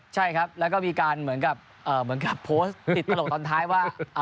ใช่ครับแล้วก็มีการเหมือนกับโพสต์ติดตลกตอนท้ายว่า